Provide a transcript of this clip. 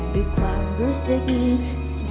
ด้วยความรู้สึกสมัครด้วยกลิ่น